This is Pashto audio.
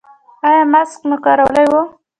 ایا ماسک مو کارولی و؟